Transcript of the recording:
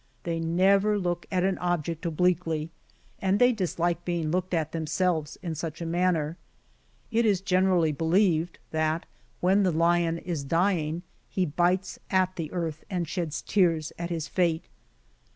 They never look at an object obliquely, and they dislike being looked at themselves in such a manner. It is generally believed, that, when the lion is dying, he bites at the earth, and sheds tears at his fate.